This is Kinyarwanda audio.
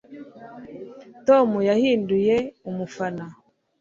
tom yahinduye umufana